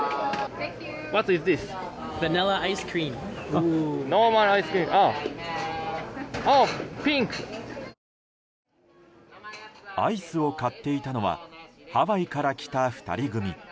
アイスを買っていたのはハワイから来た２人組。